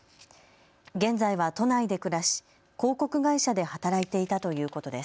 現在は都内で暮らし、広告会社で働いていたということです。